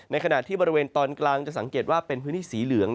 ขณะที่บริเวณตอนกลางจะสังเกตว่าเป็นพื้นที่สีเหลือง